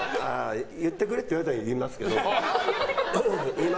言ってくれって言われたら言いますけど。